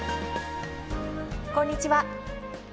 こんにちは。